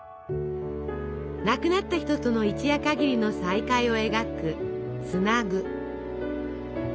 亡くなった人との一夜かぎりの再会を描く「ツナグ」。